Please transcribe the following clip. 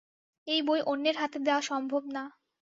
এই বই অন্যের হাতে দেয়া সম্ভব না।